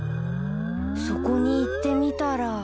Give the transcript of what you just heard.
そこに行ってみたら。